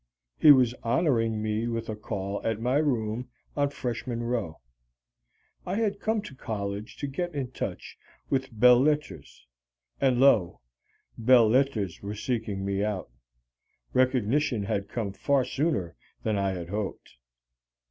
He was honoring me with a call at my room on Freshman Row. I had come to college to get in touch with Belles Lettres, and, lo, Belles Lettres were seeking me out! Recognition had come far sooner than I had hoped.